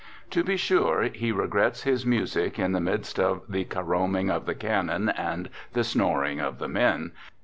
To be sure, he regrets his music, in the midst of the caroming of the cannon and the snoring of the men.